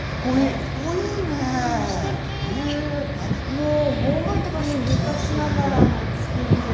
もう本当に昔ながらの作りで。